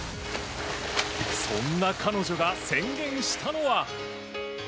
そんな彼女が宣言したのは。